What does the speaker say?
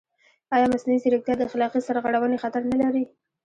ایا مصنوعي ځیرکتیا د اخلاقي سرغړونې خطر نه لري؟